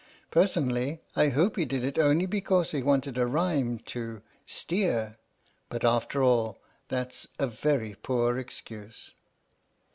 Personally, I hope he did it only because he wanted a rhyme to " steer," but, after all, that 's a very poor excuse.